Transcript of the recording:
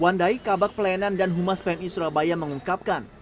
wandai kabak pelayanan dan humas pmi surabaya mengungkapkan